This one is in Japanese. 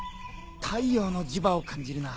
太陽の磁場を感じるな。